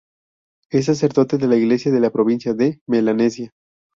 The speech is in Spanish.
Es sacerdote de la Iglesia de la Provincia de Melanesia.